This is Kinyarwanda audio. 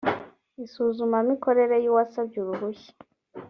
isuzumamikorere y’uwasabye uruhushya